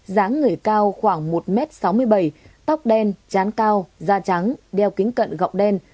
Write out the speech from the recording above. dáng người cao khoảng một m sáu mươi bảy tóc đen chán cao da trắng đeo kính cận gọc đen